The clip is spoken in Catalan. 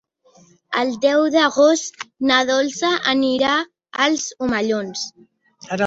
El deu d'agost na Dolça anirà als Omellons.